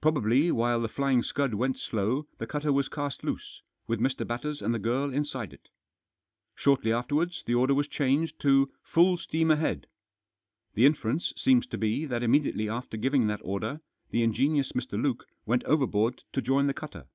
Probably while The Flying Scud went slow the cutter was cast loose, with Mr. Batters and the girl inside it. Shortly after wards the order was changed to cf Full steam ahead." The inference seems to be that immediately after Digitized by 288 THE JOSS. giving that order the ingenious Mr. Luke went over board to join the cutter.